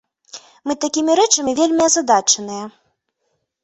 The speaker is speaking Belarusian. Мы такімі рэчамі вельмі азадачаныя.